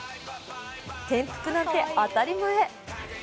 転覆なんて当たり前。